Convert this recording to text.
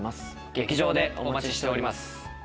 劇場でお待ちしております。